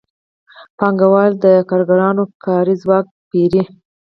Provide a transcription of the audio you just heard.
پانګوال د کارګرانو کاري ځواک پېري